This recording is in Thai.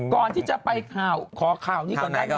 ก่อนที่จะไปข่าวขอข่าวนี้ก่อนได้ไหม